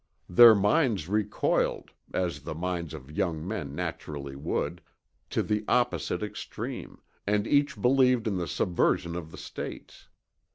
Their minds recoiled, as the minds of young men naturally would, to the opposite extreme, and each believed in the subversion of the States.